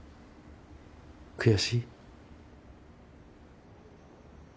悔しい？